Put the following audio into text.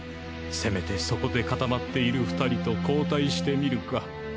せめてそこで固まっている２人と交代してみるか。